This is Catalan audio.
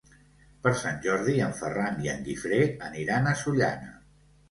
Per Sant Jordi en Ferran i en Guifré aniran a Sollana.